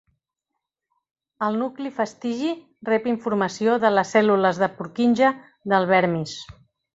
El nucli fastigi rep informació de les cèl·lules de Purkinje del vermis.